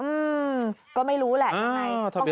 อืมก็ไม่รู้แหละยังไง